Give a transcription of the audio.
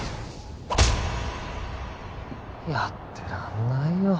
やってらんないよ